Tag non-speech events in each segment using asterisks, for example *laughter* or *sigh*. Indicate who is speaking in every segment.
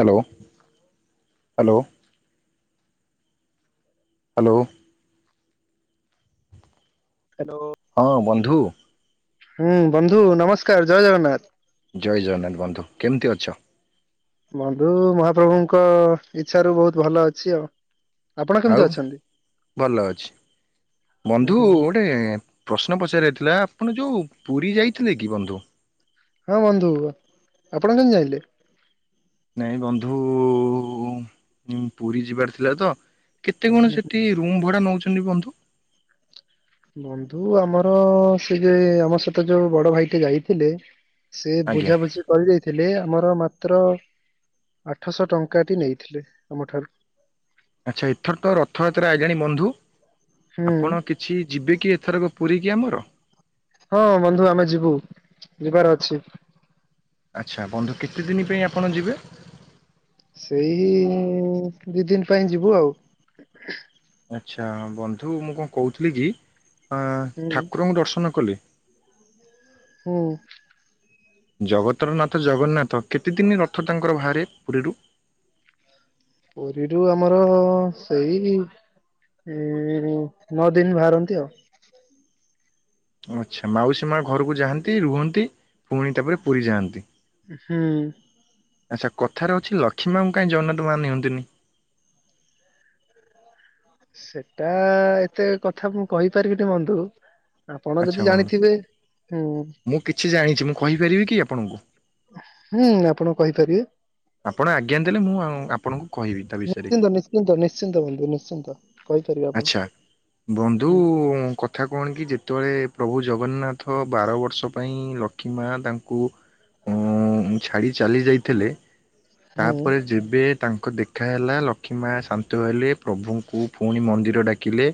Speaker 1: Hello- hello. Hello.
Speaker 2: Hello.
Speaker 1: ହଁ ବନ୍ଧୁ।
Speaker 2: ହୁଁ ବନ୍ଧୁ ନମସ୍କାର୍ ଜୟ ଜଗନ୍ନାଥ୍।
Speaker 1: ଜୟ ଜଗନ୍ନାଥ ବନ୍ଧୁ କେମିତି ଅଛ?
Speaker 2: ବନ୍ଧୁ ମହାପ୍ରଭୁଙ୍କ ଇଚ୍ଛାରୁ ବହୁତ୍ ଭଲ ଅଛି ଆଉ। ଆପଣ
Speaker 1: ଆଉ
Speaker 2: କେମିତି ଅଛନ୍ତି?
Speaker 1: ଭଲ ଅଛି
Speaker 2: ଉଁ
Speaker 1: ବନ୍ଧୁ
Speaker 2: ହୁଁ
Speaker 1: ଗୋ ଟେ ପ୍ରଶ୍ନ ପଚାରିବାଥିଲା ଆପଣ ଯଉ ପୁରୀ ଯାଇଥିଲେ କି ବନ୍ଧୁ?
Speaker 2: ହଁ ବନ୍ଧୁ ଆପଣ କେମିତି ଜାଇଁଲେ?
Speaker 1: ନାଇଁ ବନ୍ଧୁ ମୁଁ ପୁରୀ ଯିବାର ଥିଲା ତ କେତେ କଣ ସେଠି ରୁମ୍ ଭଡା ନଉଚନ୍ତି ବନ୍ଧୁ?
Speaker 2: ବନ୍ଧୁ ଆମର ସେ ଯେ ଆମ ସହିତ ଯଉ ବଡ ଭାଇଟି ଯାଇଥିଲେ ସେ
Speaker 1: ଆଜ୍ଞା
Speaker 2: ବୁଝାବୁଝି କରିଦେଇଥିଲେ ଆମର ମାତ୍ର ଆଠଶ ଟଙ୍କାଟି ନେଇଥିଲେ ଆମଠାରୁ।
Speaker 1: ଆଚ୍ଛା ଏଥର ତ ରଥଯାତ୍ରା ଆଇଲାଣି ବନ୍ଧୁ?
Speaker 2: ହୁଁ
Speaker 1: ଆପଣ କିଛି ଯିବେ କି ଏଥରକ ପୁରୀ କି ଆମର?
Speaker 2: ହଁ ବନ୍ଧୁ ଆମେ ଯିବୁ ଯିବାର ଅଛି।
Speaker 1: ଆଚ୍ଛା ବନ୍ଧୁ କେତେ ଦିନି ପାଇଁ ଆପଣ ଯିବେ?
Speaker 2: ସେଇ ଦି ଦିନ ପାଇଁ ଯିବୁ ଆଉ
Speaker 1: ଆଚ୍ଛା ବନ୍ଧୁ ମୁଁ କଣ କଉଥିଲି କି
Speaker 2: ହୁଁ।
Speaker 1: ଠାକୁରଙ୍କୁ ଦର୍ଶନ କଲି
Speaker 2: ହୁଁ।
Speaker 1: ଜଗତର ନାଥ ଜଗନ୍ନାଥ କେତେ ଦିନି ରଥ ତାଙ୍କର ବାହାରେ ପୁରୀରୁ?
Speaker 2: ପୁରୀରୁୁ ଆମର ସେଇ ଉ ନଅ ଦିନି ବାହାରନ୍ତି ଆଉ
Speaker 1: ଆଚ୍ଛା ମାଉସୀ ମାଁ ଘରକୁ ଯାଆନ୍ତି ରୁହନ୍ତି ପୁଣି ତାପରେ ପୁରୀ ଯାଆନ୍ତି।
Speaker 2: ହୁଁ।
Speaker 1: ଆଚ୍ଛା କଥାରେ ଅଛି ଲକ୍ଷ୍ମୀ ମା ଙ୍କୁ କାଇଁ ଜଗନ୍ନାଥ ମା ନିଅନ୍ତିନି?
Speaker 2: ସେଟା ଏତେ କଥା ମୁଁ କହିପାରିବିନି ବନ୍ଧୁ ଆପଣ
Speaker 1: ଆଚ୍ଛା
Speaker 2: ଯଦି
Speaker 1: ବନ୍ଧୁ
Speaker 2: ଜାଣିଥିବେ। ହୁଁ।
Speaker 1: ମୁଁ କିଛି ଜାଣିଛି ମୁଁ କହିପାରିବି କି ଆପଣଙ୍କୁ?
Speaker 2: ହୁଁ ଆପଣ କହିପାରିବେ।
Speaker 1: ଆପଣ ଆଜ୍ଞା ଦେଲେ ମୁଁ ଉଁ ଆପଣଙ୍କୁ କହିବି ତା ବିଷୟରେ।
Speaker 2: ନିଶ୍ଚିନ୍ତ ନିଶ୍ଚିନ୍ତ ନିଶ୍ଚିନ୍ତ ବନ୍ଧୁ ନିଶ୍ଚିନ୍ତ। କହିପାରିବେ ଆପଣ
Speaker 1: ଆଚ୍ଛା ବନ୍ଧୁ
Speaker 2: ହୁଁ
Speaker 1: କଥ୍ କଥା କଣ କି ଯେତେବେଳେ ପ୍ରଭୁ ଜଗନ୍ନାଥ ବାର ବର୍ଷ ପାଇଁ ଲକ୍ଷ୍ମୀ ମାଁ ତାଙ୍କୁ ଉଁ ଛାଡ଼ି ଚାଲି ଯାଇଥିଲେ।
Speaker 2: ହୁଁ।
Speaker 1: ତାପରେ ଯେବେ ତାଙ୍କ ଦେଖା ହେଲା ଲକ୍ଷ୍ମୀ ମାଁ ଶାନ୍ତ ହେଲେ ପ୍ରଭୁଙ୍କୁ ପୁଣି ମନ୍ଦିର ଡ଼ାକିଲେ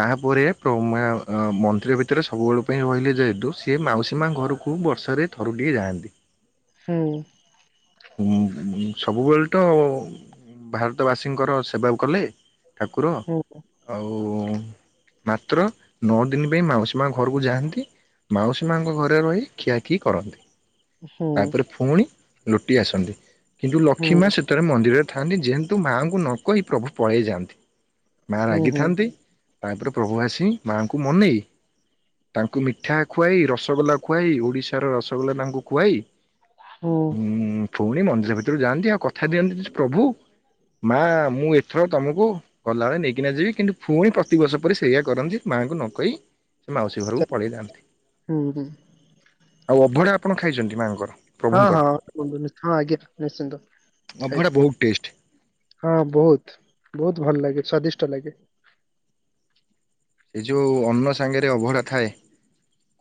Speaker 1: ତାହାପରେ ପ୍ର-ମାଁ ମନ୍ଦିର ଭିତରେ ସବୁବେଳେ ପାଇଁ ରହିଲେ ଯେହେତୁ ସିଏ ମାଉସୀ ମାଁ ଘରକୁ କୋଉ ବର୍ଷରେ ଥରୁଟିଏ ଯାଆନ୍ତି।
Speaker 2: ହୁଁ।
Speaker 1: ଉଁ ହୁଁ ସବୁବେଳେ ତ ଭାରତବାସୀଙ୍କର ସେବା କଲେ ଠାକୁର
Speaker 2: ହୁଁ
Speaker 1: ଆଉ ମାତ୍ର ନଅ ଦିନ ପାଇଁ ମାଉସୀ ମା ଘରକୁ ଯାଆନ୍ତି। ମାଉସୀ ମାଁଙ୍କ ଘରେ ରହି ଖିଆଖିଇ କରନ୍ତି।
Speaker 2: ହୁଁ
Speaker 1: ତାପରେ ଫୁଣି ଲୋଟି ଆସନ୍ତି କିନ୍ତୁ
Speaker 2: ହୁଁ
Speaker 1: ଲକ୍ଷ୍ମୀ ମା ସେ ଭିତରେ ମନ୍ଦିରରେ ଥାଆନ୍ତି ଯେହେ ମାଁ ଙ୍କୁ ନ କହି ପ୍ରଭୁ ପଳେଇ ଯାଆନ୍ତି। ମାଁ
Speaker 2: ହୁଁ
Speaker 1: ରାଗିଥାନ୍ତି ତାପରେ ପ୍ରଭୁ ଆସି ମାଆଙ୍କୁ ମନେଇ ତାଙ୍କୁ ମିଠା ଖୁଆଇ ରସଗୋଲା ଖୁଆଇ ଓଡ଼ିଶାର ରସଗୋଲା ତାଙ୍କୁ ଖୁଆଇ
Speaker 2: ହୁଁ।
Speaker 1: ଉଁ ପୁଣି ମନ୍ଦିର ଭିତରୁ୍ ଯାଆନ୍ତି, ଆଉ କଥା ଦିଅନ୍ତି ଯେ ପ୍ରଭୁ ମାଁ ମୁଁ ଏଥର ତମକୁ ଗଲାବେଳେ ନେଇକିନା ଯିବି କିନ୍ତୁ ପୁଣି ପ୍ରତିବର୍ଷ ପରି ସେଇଆ କରନ୍ତି, ମାଁଙ୍କୁ ନ କହି ସେ ମାଉସୀ ଘରକୁ ପଳେଇ ଯାଆନ୍ତି,
Speaker 2: ହୁଁ ହୁଁ
Speaker 1: ଆଉ ଅଭଡ଼ା ଆପଣ ଖାଇଛନ୍ତି ମାଆଙ୍କର?
Speaker 2: ହଁ
Speaker 1: ପ୍ରଭୁଙ୍କର
Speaker 2: ହଁ ବନ୍ଧୁ ନିଶ୍ ହଁ ଆଜ୍ଞା ନିଶ୍ଚିନ୍ତ
Speaker 1: ଅଭଢା
Speaker 2: ଖାଇଚ୍
Speaker 1: ବହୁତ ଟେଷ୍ଟ।
Speaker 2: ହଁ ବହୁତ ବହୁତ ଭଲ ଲାଗେ, ସ୍ଵାଦିଷ୍ଟ ଲାଗେ।
Speaker 1: ଏ ଯୋଉ ଅନ୍ନ ସାଙ୍ଗରେ ଅଭଡ଼ା ଥାଏ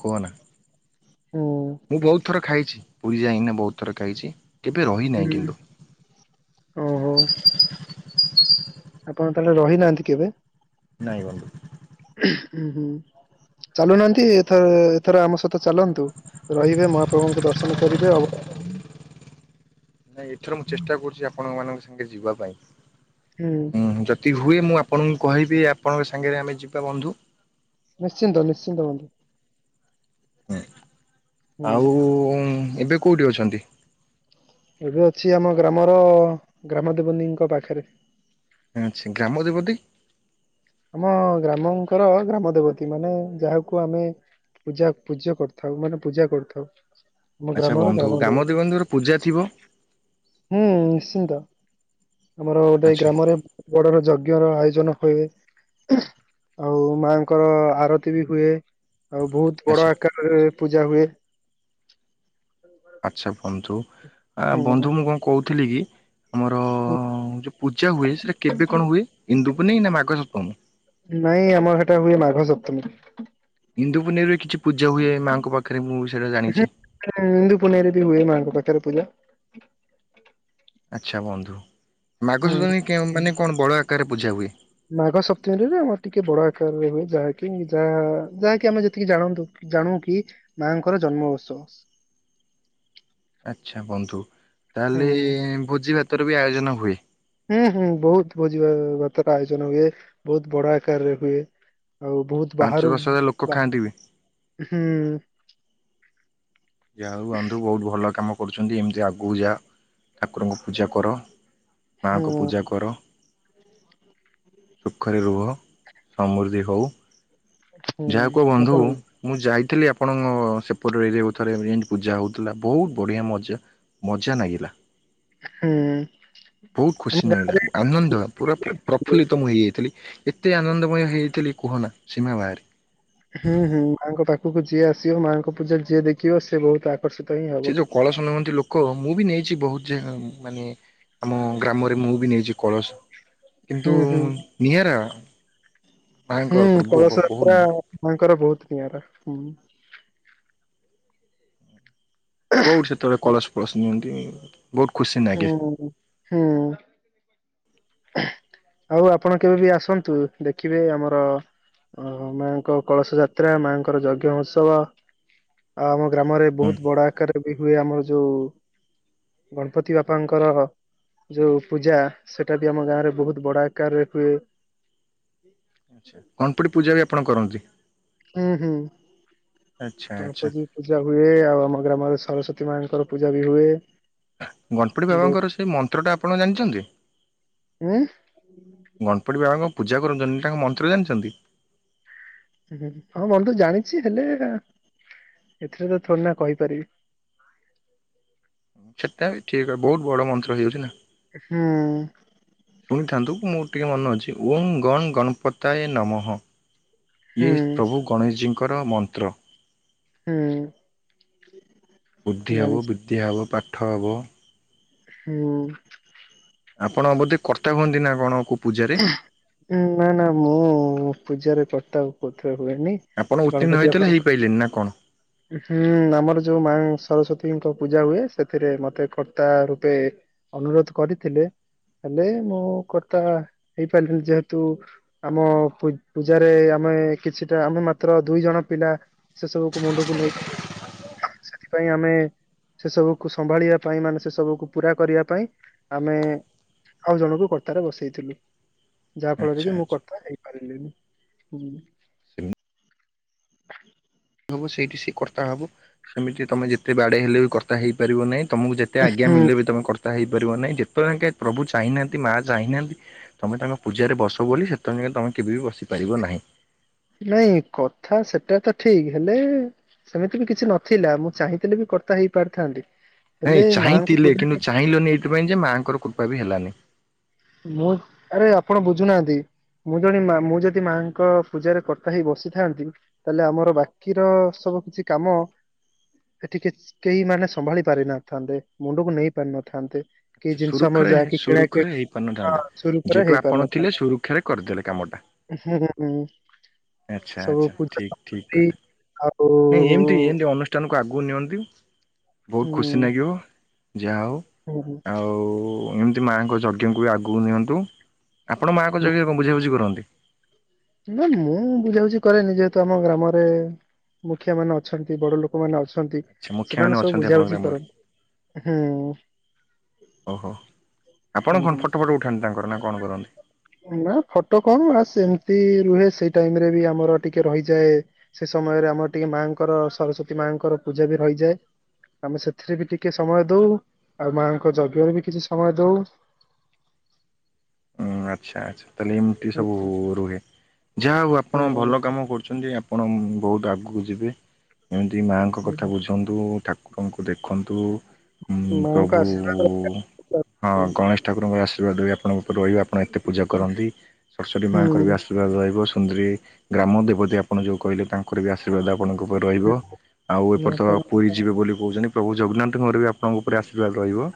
Speaker 1: କୁହନା।
Speaker 2: ହୁଁ
Speaker 1: ମୁଁ ବହୁତ ଥର ଖାଇଛି ପୁରୀ ଯାଇଁକିନି ବହୁତ ଥର ଖାଇଛି କେବେ ରହିନାହିଁ
Speaker 2: ହୁଁ
Speaker 1: କିନ୍ତୁ
Speaker 2: ଓହୋ ଆପଣ ତାହେଲେ ରହିନାହାନ୍ତି କେବେ?
Speaker 1: ନାଇଁ ବନ୍ଧୁ।
Speaker 2: ଉଁ ହୁଁ ଚାଲୁନାହାନ୍ତି ଏଥର ଏଥର ଆମ ସହିତ ଚାଲନ୍ତୁ। ରହିବେ ମହାପ୍ରଭୁଙ୍କୁ ଦର୍ଶନ କରିବେ ଆଉ।
Speaker 1: ଆପଣ ମାନଙ୍କ ସାଙ୍ଗେ ଯିବା ପାଇଁ।
Speaker 2: ହୁଁ।
Speaker 1: ଉଁ ଯଦି ହୁଏ ମୁଁ ଆପଣଙ୍କୁ କହିବି ଆପଣଙ୍କ ସାଙ୍ଗରେ ଆମେ ଯିବା ବନ୍ଧୁ।
Speaker 2: ନିଶ୍ଚିତ ନିଶ୍ଚିତ ବନ୍ଧୁ।
Speaker 1: ହଁ
Speaker 2: ହୁଁ।
Speaker 1: ଆଉ ଏବେ କୋଉଠି ଅଛନ୍ତି।
Speaker 2: ଏବେ ଅଛି ଆମ ଗ୍ରାମର ଗ୍ରାମ ଦେବନୀଙ୍କ ପାଖରେ।
Speaker 1: ଆଛା ଗ୍ରାମ ଦେବତି।
Speaker 2: ଆମ ଗ୍ରାମଙ୍କର ଗ୍ରାମ ଦେବତୀ ମାନେ ଯାହାକୁ ଆମେ। ପୂଜା ପୂଜା କରିଥାଉ ମାନେ ପୂଜା କରିଥାଉ। ଆମ
Speaker 1: ଆଚ୍ଛା
Speaker 2: ଗ୍ରାମର
Speaker 1: ବନ୍ଧୁ
Speaker 2: ଗ୍ରାମ ଦେବତୀ।
Speaker 1: ଗ୍ରାମଦେବୀଙ୍କର ପୂଜା ଥିବ।
Speaker 2: ହୁଁ ନିଶ୍ଚିନ୍ତ ଆମର ଗୋଟେ
Speaker 1: ଆଚ୍ଛା
Speaker 2: ଗ୍ରାମର। ବଡର ଯଜ୍ଞର ଆୟୋଜନ ହୁଏ। ଆଉ ମାଆଙ୍କର ଆରତି ବି ହୁଏ ଆଉ ବହୁତ ବଡ
Speaker 1: ଆଚ୍ଛା।
Speaker 2: ଆକାର *inaudible* ପୂଜା ହୁଏ।
Speaker 1: ଆଚ୍ଛା ବନ୍ଧୁ
Speaker 2: ହୁଁ
Speaker 1: ବନ୍ଧୁ
Speaker 2: ହୁଁ।
Speaker 1: ମୁଁ କଣ କହୁଥିଲି କି। ଆମର ଯୋଉ ପୂଜା ହୁଏ ସେଟା କେବେ କଣ ହୁଏ ଇନ୍ଦୁପୁନି ନା ମାଘ ସପ୍ତମୀ।
Speaker 2: ନାଇଁ ଆମର ହେଟା ହୁଏ ମାଘ ସପ୍ତମୀ।
Speaker 1: ଇନ୍ଦୁ ପୁନେଇରେ କିଛି ପୂଜା ହୁଏ ମାଆଙ୍କ ପାଖରେ ମୁଁ ସେଇଟା ଜାଣିଛି।
Speaker 2: ଇନ୍ଦୁ ପୁନେଇରେବି ହୁଏ ମାଆଙ୍କ ପାଖରେ ପୂଜା।
Speaker 1: ଆଚ୍ଛା ବନ୍ଧୁ
Speaker 2: ହୁଁ
Speaker 1: ମାଘ ସପ୍ତମୀ ମାନେ କଣ ବଡ଼ ଆକାରରେ ପୂଜା ହୁଏ।
Speaker 2: ମାଘ ସପ୍ତମୀରେ ଆମର ଟିକେ ବଡ ଆକାରରେ ହୁଏ ଯାହାକି ଯାହା ଯାହାକି ଆମେ ଯେତିକି ଜାଣନ୍ତୁ। ଜାଣୁ କି ମାଙ୍କର ଜନ୍ମ ଉତ୍ସବ।
Speaker 1: ଆଚ୍ଛା ବନ୍ଧୁ ତାହେଲେ
Speaker 2: ହୁଁ
Speaker 1: ଭୋଜି ଭାତର ବି ଆୟୋଜନ ହୁଏ।
Speaker 2: ହୁଁ ହୁଁ ବହୁତ ଭୋଜି ଭାତାର ଆୟୋଜନ ହୁଏ ବହୁତ ବଡ ଆକାରରେ ହୁଏ। ଆଉ ବହୁତ
Speaker 1: ପାଞ୍ଚ
Speaker 2: ବାହାରୁ
Speaker 1: ଦଶ ହଜାର ଲୋକ
Speaker 2: ବା
Speaker 1: ଖାଆନ୍ତି ବି।
Speaker 2: ହୁଁ।
Speaker 1: ଯାହା ହଉ ବନ୍ଧୁ ବହୁତ ଭଲ କାମ କରୁଛନ୍ତି ଏମିତି ଆଗକୁ ଯା ଠାକୁରଙ୍କୁ ପୂଜା କର ମାଙ୍କୁ
Speaker 2: ହୁଁ
Speaker 1: ପୂଜା କର। ସୁଖରେ ରୁହ ସମୃଦ୍ଧି ହଉ।
Speaker 2: ହୁଁ
Speaker 1: ଯାହା କୁହ ବନ୍ଧୁ
Speaker 2: ଆପଣ ବି
Speaker 1: ମୁଁ ଯାଇଥିଲି ଆପଣଙ୍କ ସେପଟେ ଯୋଉ ଥରେ ଏମିତି ପୂଜା ହେଉଥିଲା ବହୁତ ବଢ଼ିଆ ମଜା ମଜା ଲାଗିଲା।
Speaker 2: ହୁଁ।
Speaker 1: ବହୁତ
Speaker 2: ଆମ
Speaker 1: ଖୁସି ନାଗିଲା ଆନନ୍ଦ ପୁରା
Speaker 2: ଗାଁରେ
Speaker 1: ପ୍ରଫୁଲ୍ଲିତ ମୁଁ ହେଇଯାଇଥିଲି। ଏତେ ଆନନ୍ଦମୟ ହେଇଯାଇଥିଲି କୁହନା ସୀମା ବାହାରେ।
Speaker 2: ହୁଁ ହୁଁ ମାଆଙ୍କ ପାଖକୁ ଯିଏ ଆସିବ ମାଆଙ୍କ ପୂଜା ଯିଏ ଦେଖିବ ସେ ବହୁତ ଆକର୍ଷିତ ହିଁ ହବ।
Speaker 1: କଳସୀ ନିଅନ୍ତି ଲୋକ ମୁଁ ବି ନେଇଚି ବହୁତ ମାନେ ଆମ ଗ୍ରାମରେ ମୁଁ ବି ନେଇଚି। କଳସ କିନ୍ତୁ
Speaker 2: ହୁଁ ହୁଁ
Speaker 1: ନିଆରା।
Speaker 2: ହୁଁ
Speaker 1: ମାଙ୍କର ପ୍ରଭୁ
Speaker 2: କଳସ
Speaker 1: ବହୁ
Speaker 2: ଯାତ୍ରା
Speaker 1: ନିଆରା।
Speaker 2: ମାଙ୍କର ବହୁତ ନିଆଁରା ହୁଁ।
Speaker 1: ବହୁତ ସେତେବେଳେ କଳସ ଫଳସ ନିଅନ୍ତି। ବହୁତ ଖୁସି ଲାଗେ
Speaker 2: ହୁଁ ହୁଁ। ଆଉ ଆପଣ କେବେ ବି ଆସନ୍ତୁ ଦେଖିବେ ଆମର। ଓ ମାଆଙ୍କ କଳସ ଯାତ୍ରା ମାଆଙ୍କର ଯଜ୍ଞ ଉତ୍ସବ। ଆଉ ଆମ ଗ୍ରାମରେ
Speaker 1: ହୁଁ।
Speaker 2: ବୋହୁତ ବଡ ଆକାରରେ ବି ହୁଏ ଆମର ଯୋଉ ଗଣପତି ବାପାଙ୍କର ଯୋଉ ପୂଜା ସେଟା ବି ଆମ ଗାଁ ରେ ବୋହୁତ ବଡ଼ ଆକାରରେ ହୁଏ।
Speaker 1: ଆଛା କନପ୍ଟି ପୂଜା ବି ଆପଣ କରନ୍ତି।
Speaker 2: ହୁଁ ହୁଁ
Speaker 1: ଆଚ୍ଛା
Speaker 2: କଣ
Speaker 1: ଆଚ୍ଛା।
Speaker 2: କୋଉଚି। ପୂଜା ହୁଏ ଆଉ ଆମ ଗ୍ରାମରେ ସରସ୍ଵତୀ ମାଙ୍କର ପୂଜା ବି ହୁଏ।
Speaker 1: ଗଣପତି
Speaker 2: ବହୁତ
Speaker 1: ବାବାଙ୍କର ସେଇ ମନ୍ତ୍ରଟା ଆପଣ ଜାଣିଚନ୍ତି?
Speaker 2: ହୁଁ। ହୁଁ ନା।
Speaker 1: ଗଣପଟି ବାବାଙ୍କର ପୂଜା କରୁଚନ୍ତି ତାଙ୍କ ମନ୍ତ୍ର ଜାଣିଚନ୍ତି?
Speaker 2: ହୁଁ ହୁଁ ହଁ ବନ୍ଧୁ ଜାଣିଚି ହେଲେ ଏଥିରେ ତ ଥୋଡ଼ି ନା କହିପାରିବି।
Speaker 1: ସେଟା ବି ଠିକ୍ ବୋହୁତ ବଡ ମନ୍ତ୍ର ହେଇଯାଉଚି ନା।
Speaker 2: ହୁଁ।
Speaker 1: ଶୁଣିଥାନ୍ତୁ ମୁଁ ଟିକେ ମନେ ଅଉଛି ଓମ୍ ଗଣ ଗଣପତାଏ ନମଃ। ଇଏ
Speaker 2: ହୁଁ।
Speaker 1: ପ୍ରଭୁ ଗଣେଶଜୀଙ୍କର ମନ୍ତ୍ର।
Speaker 2: ହୁଁ।
Speaker 1: ବୁଦ୍ଧି ହେବ
Speaker 2: ଜାଣିଛି
Speaker 1: ବିଦ୍ୟା ହେବ ପାଠ ହେବ।
Speaker 2: ହୁଁ।
Speaker 1: ଆପଣ ବୋଧେ କର୍ତ୍ତା ହୁଅନ୍ତି ନା କଣ କୋଉ ପୂଜାରେ?
Speaker 2: ନା ନା ମୁଁ ପୂଜାରେ କରତା କୋଉ ଥିରେ ହୁଏନି।
Speaker 1: ଆପଣ ଉତ୍ତୀଣ୍ଣ
Speaker 2: ଗଣପତି
Speaker 1: ହେଇଥିଲେ ହେଇ
Speaker 2: ବାପାଙ୍କୁ
Speaker 1: ପାଇାରଲେନି ନା କଣ?
Speaker 2: ହୁଁ ଆମର ଯୋଉ ମା ସରସ୍ଵତୀଙ୍କ ପୂଜା ହୁଏ ସେଥିରେ ମତେ କର୍ତ୍ତା ରୂପେ ଅନୁରୋଧ କରିଥିଲେ ହେଲେ ମୁଁ କର୍ତ୍ତା ହେଇପାରିଲିନି ଯେହେତୁ ଆମ ପୂଜାରେ ଆମେ କିଛିଟା ଆମେ ମାତ୍ର ଦୁଇ ଜଣ ପିଲା ସେ ସବୁକୁ ମୁଣ୍ଡକୁ ନେଇ ସେଥିପାଇଁ ଆମେ ସେ ସବୁକୁ ସମ୍ଭାଳିବା ପାଇଁ ମାନେ ସେ ସବୁକୁ ପୁରା କରିବା ପାଇଁ ଆମେ ଆଉ ଜଣଙ୍କୁ କର୍ତ୍ତାରେ ବସେଇଥିଲୁ ଯାହା ଫଳରେ
Speaker 1: ଆଚ୍ଛା
Speaker 2: କି ମୁଁ
Speaker 1: ଆଚ୍ଛା
Speaker 2: କର୍ତ୍ତା ହେଇପାରିଲିନି ହୁଁ।
Speaker 1: ହୋବୁ ସେଇଠି ସେ କର୍ତ୍ତା ହୋବୁ ସେମିତି ତମେ ଯେତେ ବାଡେଇ ହେଲେ ବି କର୍ତ୍ତା ହେଇପାରିବ ନାହିଁ। ତମକୁ ଯେତେ ଆଜ୍ଞା
Speaker 2: ହୁଁ
Speaker 1: ମିଳିଲେବି ତମେ କର୍ତ୍ତା ହେଇପାରିବ ନାହିଁ ଯେତେବେଳେ ଯାଙ୍କେ ପ୍ରଭୁ ଚାହିଁହାନ୍ତି ମା ଚାହିଁନାହାନ୍ତି। ତମେ ତାଙ୍କ ପୂଜାରେ ବସ ବୋଲି ସେ ବେଳେ ଯାଙ୍କ ତମେ କେବେ ବି ବସି ପାରିବ ନାହିଁ।
Speaker 2: ନାଇଁ କଥା ସେଟା ତ ଠିକ୍ ହେଲେ ସେମିତି ବି କିଛି ନଥିଲା ମୁଁ ଚାହିଁଥିଲେ ବି କର୍ତ୍ତା ହେଇ ପାରିଥାନ୍ତି।
Speaker 1: ନାଇଁ
Speaker 2: ହେଲେ ମାଙ୍କ
Speaker 1: ଚାହିଁଥିଲେ
Speaker 2: ପୂଜା
Speaker 1: କିନ୍ତୁ
Speaker 2: ଟା-
Speaker 1: ଚାହିଁଲନି ଏଇଥିପାଇଁ ଯେ ମାଆଙ୍କର କୃପା ବି ହେଲାନି।
Speaker 2: ମୁଁ ଆରେ ଆପଣ ବୁଝୁନାହାନ୍ତି। ମୁଁ ଜଣେ ମା ମୁଁ ଯଦି ମାଙ୍କ ପୂଜାରେ କର୍ତ୍ତା ହେଇକି ବସିଥାନ୍ତି ତାହେଲେ ଆମର ବାକି ର ସବୁ କିଛି କାମ ଏଠିକିଚି କେହି ମାନେ ସମ୍ଭାଳି ପାରିିନଥାନ୍ତେ ମୁଣ୍ଡକୁ ନେଇ ପାରିନଥାନ୍ତେ। କି ଜିନିଷ ଆମର ଯାକି କିଣା କିଣି ହଁ
Speaker 1: ପାରିନଥାନ୍ତା
Speaker 2: ସୁରୁଖୁରୁରେ
Speaker 1: ଯେହେତୁ ଆପଣ
Speaker 2: ହେଇପାରିନଥାନ୍ତା।
Speaker 1: ଥିଲେ ସରୁକ୍ଷରେ କରିଦେଲେ କାମଟା।
Speaker 2: ହୁଁ ହଁ ହୁଁ।
Speaker 1: ଆଛା
Speaker 2: ସବୁ
Speaker 1: ଆଛା
Speaker 2: ପୂଜା
Speaker 1: ଠିକ୍ ଠିକ୍
Speaker 2: ସାମଗ୍ରୀ
Speaker 1: କଥା
Speaker 2: ଆଉ
Speaker 1: ନାଇଁ ଏମିତି ଏମିତି ଅନ ଷ୍ଟାନକୁ ଆଗକୁ ନିଅନ୍ତି ବୋହୁତ ଖୁସି ଲାଗିବ ଯାହା ହୋଉ।
Speaker 2: ହୁଁ ହୁଁ।
Speaker 1: ଆଉ ଏମିତି ମାଆଙ୍କ ଯଜ୍ଞଙ୍କୁ ବି ଆଗକୁ ନିଅନ୍ତୁ। ଆପଣ ମାଆଙ୍କ
Speaker 2: ହୁଁ
Speaker 1: ଯଜ୍ଞା କଣ ବୁଝା ବୁଝି କରନ୍ତି?
Speaker 2: ନା ମୁଁ ବୁଝାବୁଝି କରେ ନି ଯେହେତୁ ଆମ ଗ୍ରାମରେ ମୁଖିଆ ମାନେ ଅଛନ୍ତି ବଡ ଲୋକମାନୋନ ଅଛନ୍ତି
Speaker 1: ଆଚ୍ଛା ମୁଖିଆ ମାନେ
Speaker 2: ସେମାନେ ସବୁ
Speaker 1: ଅଛନ୍ତି ଆପଣଙ୍କ
Speaker 2: ବୁଝାବୁଝି
Speaker 1: ଗ୍ରାମରେ
Speaker 2: କରନ୍ତି। ହଁ।
Speaker 1: ଓହୋ
Speaker 2: ହୁଁ
Speaker 1: ଆପଣ କଣ ଫଟୋ
Speaker 2: ହୁଁ
Speaker 1: ଫଟୋ ଉଠାନ୍ତି ତାଙ୍କର ନା କଣ କରନ୍ତି?
Speaker 2: ନା ଫଟ କଣ ବାସ ଏମିତି ରୁହେ ସେଇ ଟାଇମ ରେ ବି ଆମର ଟିକେ ରହିଯାଏ ସେ ସମୟରେ ଆମର ଟିକେ ମାଙ୍କର ସରସ୍ଵତୀ ମାଙ୍କର ପୂଜା ବି ରହିଯାଏ। ଆମେ ସେଥିରେ ବି ଟିକେ ସମୟ ଦୋଉ, ଆଉ ମାଆଙ୍କ ଯଜ୍ଞରେ ବି କିଛି ସମୟ ଦୋଉ।
Speaker 1: ହ ଆଚ୍ଛା ଆଛା ତାହେଲେ ଏମିତି
Speaker 2: ହୁଁ
Speaker 1: ସବୁ ରୁହେ ଯାହା ହଉ
Speaker 2: ହୁଁ
Speaker 1: ଆପଣ ଭଲ କାମ କରୁଛନ୍ତି। ଆପଣ ବହୁତ ଆଗକୁ ଯିବେ ଯେମିତି ମାଆଙ୍କ କଥା
Speaker 2: ହୁଁ।
Speaker 1: ବୁଝ ଦେଖନ୍ତୁ
Speaker 2: ମାଙ୍କ
Speaker 1: ପ୍ରଭୁ
Speaker 2: ଆଶୀର୍ବାଦ
Speaker 1: ହଁ
Speaker 2: ରଖିଥାଉ।
Speaker 1: ଗଣେଶ ଠାକୁରଙ୍କର ଆଶୀର୍ବାଦ ବି ଆପଣଙ୍କ ଉପରେ ରହିବ ଆପଣ ଏତେ ପୂଜା କରନ୍ତି, ସରସ୍ଵତୀ ମାଙ୍କର
Speaker 2: ହୁଁ
Speaker 1: ବି ଆ ରହିବ ସୁନ୍ଦରୀ ଗ୍ରାମ ଦେବତୀ ଆପଣ ଯୋଉ କହିଲେ ତାଙ୍କର ବି ଆସ ଅସର୍ବାଦ ଆପଣଙ୍କ ଉପରେ ରହିବ ଆଉ
Speaker 2: ହୁଁ, ଆପଣ
Speaker 1: ଏପର୍ଯ୍ୟ ପୁରୀ ଯିବେ ବୋଲି କହୁଛନ୍ତି ପ୍ରଭୁ ଜଗନ୍ନାଥଙ୍କ ଘର ବି ଆପଣଙ୍କ ଉପରେ ଆଶୀର୍ବାଦ ରହିବ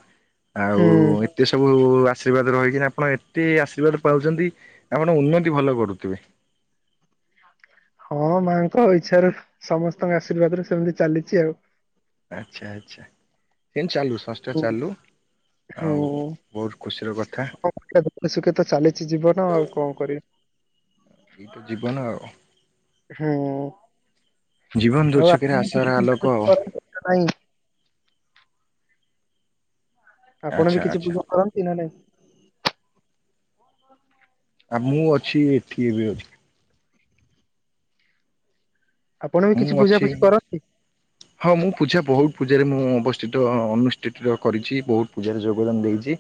Speaker 1: ଆଉ
Speaker 2: ହୁଁ
Speaker 1: ଏତେ ସବୁ ଆଶୀର୍ବାଦ ରହିକିନା ଆପଣ ଏତେ ଆଶୀର୍ବାଦ ପାଉଛନ୍ତି ଆପଣ ଉନ୍ନତି ଭଲ କରୁଥିବେ।
Speaker 2: ହଁ ମାଆଙ୍କ ଆଉ ଇଚ୍ଛାାରୁ ସମସ୍ତଙ୍କ ଆଶୀର୍ବାଦରୁ ସେମିତି ଚାଲିଛି ଆଉ।
Speaker 1: ଆଚ୍ଛା ଆଚ୍ଛା ସେନ୍ ଚାଲୁ ସଂସ୍ଥା
Speaker 2: ହୁଁ
Speaker 1: ଚାଲୁ।
Speaker 2: ହୁଁ
Speaker 1: ଆଉ ବହୁତ ଖୁସିର କଥା
Speaker 2: ଦେଖ ସୁଖେ ତ ଚାଲିଛି ଯିବ ନା ଆଉ କଣ କରିବି?
Speaker 1: ଏଇଟ ଜୀବନ ଆ
Speaker 2: ହୁଁ
Speaker 1: ଜୀବନ
Speaker 2: ଆଉ
Speaker 1: ଦୁର୍ଛକରେ ଆଶାର ଆଲୋକ
Speaker 2: *unintelligible* ଆପଣ
Speaker 1: ଆଚ୍ଛା
Speaker 2: ବି କିଛି
Speaker 1: ଆଚ୍ଛା।
Speaker 2: ପୂଜା କରନ୍ତି ନ ନାଇଁ?
Speaker 1: ଆଉ ମୁଁ ଅଛି ଏଠି ଏବେ ଅଛି।
Speaker 2: ଆପଣ ବି
Speaker 1: ମୁଁ
Speaker 2: କିଛି ପୂଜା
Speaker 1: ଅଛି
Speaker 2: ଫୁଜି କରନ୍ତି
Speaker 1: ହଁ ମୁଁ ପୂଜା ବହୁତ ପୂଜାରେ ମୁଁ ଅବସ୍ଥିତ ଅନୁଷ୍ଠିତ କରିଛି ବହୁତ ପୂଜାରେ ଯୋଗଦାନ ଦେଇଛି।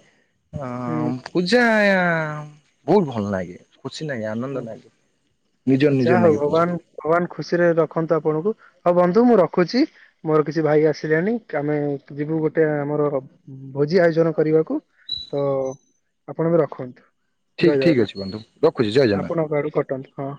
Speaker 1: ହଁ।
Speaker 2: ହୁଁ
Speaker 1: ଅ ପୂଜା ଆା ବହୁତ ଭଲ ଲାଗେ ଖୁସି ଲାଗେ ଆନନ୍ଦ
Speaker 2: ଓହୋ
Speaker 1: ଲାଗେ। ନିଜ ନିଜ
Speaker 2: ଯାହା ହଉ
Speaker 1: ଲାଗେ ପୂଜା
Speaker 2: ଭଗବାନ ଭଗବାନ ଖୁସିରେ ରଖନ୍ତୁ ଆପଣଙ୍କୁ ହଉ ବନ୍ଧୁ ମୁଁ ରଖୁଛି। ମୋର କିଛି ଭାଇ ଆସିଲାଣି ଆମେ ଯିବୁ ଗୋଟେ ଆମର ଭୋଜି ଆୟୋଜନ କରିବାକୁ ତ ଆପଣ ବି ରଖ
Speaker 1: ଠିକ ଠିକ
Speaker 2: ଜଯାଉନା
Speaker 1: ଅଛି ବନ୍ଧୁ ରଖୁଛି ଜୟ ଜଗନ୍ନାଥ।
Speaker 2: ଆପଣଙ୍କ ଆଡୁ କଟାନ୍ତୁ ହଁ।